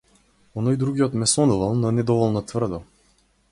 Оној другиот ме сонувал, но недоволно тврдо.